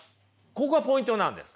ここがポイントなんです。